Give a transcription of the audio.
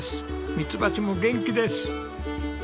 ミツバチも元気です！